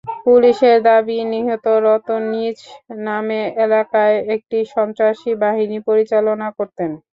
পুলিশের দাবি, নিহত রতন নিজ নামে এলাকায় একটি সন্ত্রাসী বাহিনী পরিচালনা করতেন।